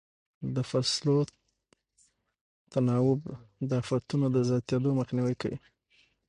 د فصلو تناوب د افتونو د زیاتېدو مخنیوی کوي.